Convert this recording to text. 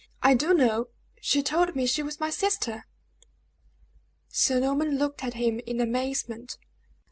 "I do know! She told me she was my sister!" Sir Norman looked at him in amazement.